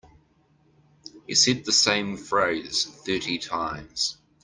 He said the same phrase thirty times.